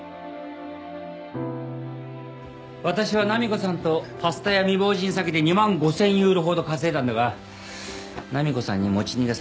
私は波子さんとパスタ屋未亡人詐欺で２万５，０００ユーロほど稼いだんだが波子さんに持ち逃げされてオケラだ。